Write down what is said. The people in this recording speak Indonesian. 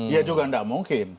ya juga tidak mungkin